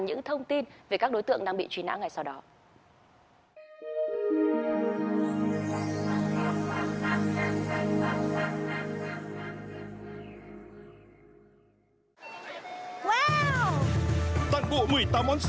những thông tin về các đối tượng đang bị truy nã ngay sau đó